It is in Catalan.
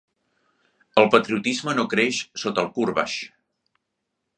El patriotisme no creix sota el "Kourbash".